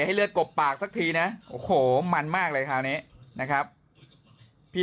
ให้เลือดกบปากสักทีนะโอ้โหมันมากเลยคราวนี้นะครับพี่